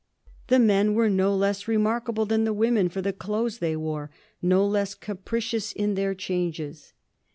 The men were no less remarkable than the women for the clothes they wore, no less capricious in their changes.